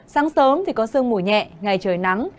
sáng sớm thì có sương mù nhẹ ngày trời nắng